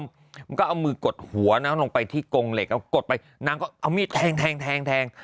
มันก็เอามือกดหัวนางลงไปที่กงเหล็กเอากดไปนางก็เอามีดแทงแทง